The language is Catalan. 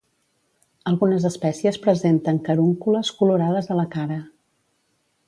Algunes espècies presenten carúncules colorades a la cara.